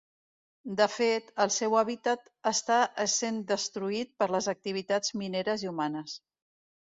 De fet, el seu hàbitat està essent destruït per les activitats mineres i humanes.